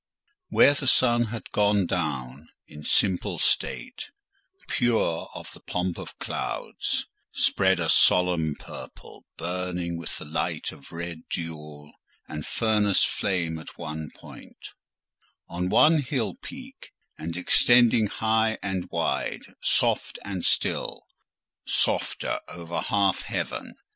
Where the sun had gone down in simple state—pure of the pomp of clouds—spread a solemn purple, burning with the light of red jewel and furnace flame at one point, on one hill peak, and extending high and wide, soft and still softer, over half heaven.